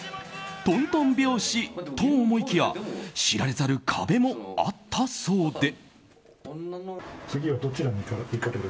とんとん拍子と思いきや知られざる壁もあったそうで。